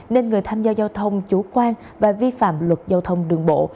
nên người tham gia giao thông chủ quan và vi phạm luật giao thông đường bộ